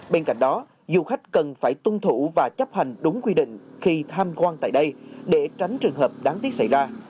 bên cạnh đó du khách cần phải tuân thủ và chấp hành đúng quy định khi tham quan tại đây để tránh trường hợp đáng tiếc xảy ra